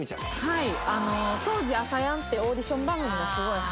はい。